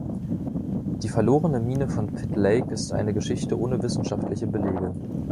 Die verlorene Mine von Pitt Lake ist eine Geschichte ohne wissenschaftliche Belege.